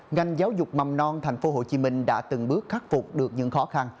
ngành giáo dục mầm non tp hcm đã từng bước khắc phục được những khó khăn